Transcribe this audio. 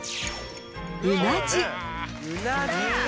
うなじか！